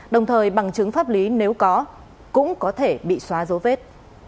đồng thời bằng chứng pháp lý nếu có cũng có thể bị xóa dấu vết